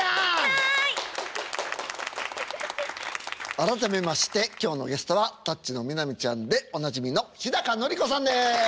改めまして今日のゲストは「タッチ」の南ちゃんでおなじみの日のり子さんです。